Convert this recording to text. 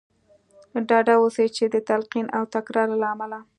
ډاډه اوسئ چې د تلقين او تکرار له امله.